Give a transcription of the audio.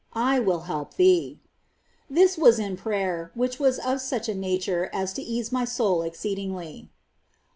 I will help thee." This was in prayer, which was of such a nature as to ease my soul exceedingly.